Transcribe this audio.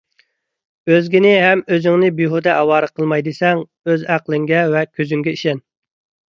ئۆزگىنى ھەم ئۆزۈڭنى بىھۇدە ئاۋارە قىلماي دېسەڭ، ئۆز ئەقلىڭگە ۋە كۆزۈڭگە ئىشەن.